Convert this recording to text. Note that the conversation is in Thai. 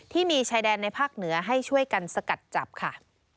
ที่มีชายแดนในภาคเหนือให้ช่วยกันสกัดจับค่ะ